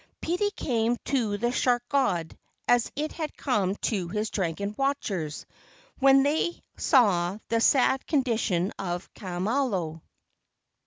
Pity came to the shark god as it had come to his dragon watchers when they saw the sad condi¬ tion of Kamalo.